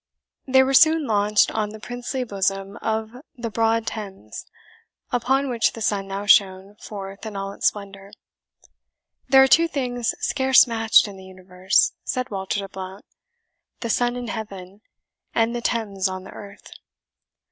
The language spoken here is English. They were soon launched on the princely bosom of the broad Thames, upon which the sun now shone forth in all its splendour. "There are two things scarce matched in the universe," said Walter to Blount "the sun in heaven, and the Thames on the earth."